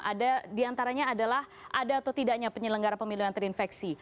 ada diantaranya adalah ada atau tidaknya penyelenggara pemilihan terinfeksi